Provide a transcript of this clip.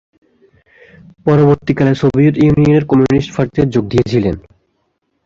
পরবর্তীকালে সোভিয়েত ইউনিয়নের কমিউনিস্ট পার্টিতে যোগ দিয়েছিলেন।